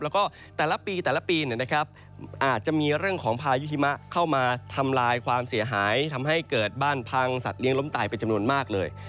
แล้วก็แต่ละปีแต่ละปีอาจจะมีเรื่องของพายุหิมะเข้ามาทำลายความเสียหายทำให้เกิดบ้านพังสัตว์เลี้ยล้มตายเป็นจำนวนมากเลย